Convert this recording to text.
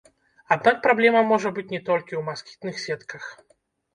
Аднак праблема можа быць не толькі ў маскітных сетках.